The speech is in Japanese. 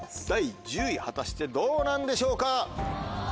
第１０位果たしてどうなんでしょうか？